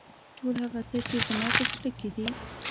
ټول هغه څه چې زما په زړه کې دي.